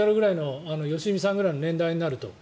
我々ぐらいの良純さんぐらいの年代になると。